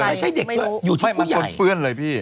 ไม่ใช่เด็กอยู่ที่ผู้ใหญ่